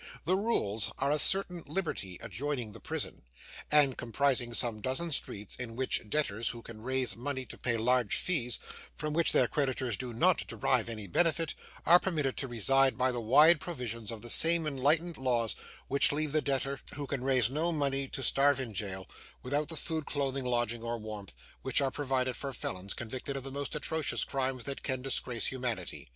The Rules are a certain liberty adjoining the prison, and comprising some dozen streets in which debtors who can raise money to pay large fees, from which their creditors do NOT derive any benefit, are permitted to reside by the wise provisions of the same enlightened laws which leave the debtor who can raise no money to starve in jail, without the food, clothing, lodging, or warmth, which are provided for felons convicted of the most atrocious crimes that can disgrace humanity.